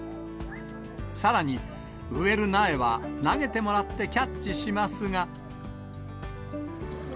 さらに、植える苗は投げてもらってキャッチしますが。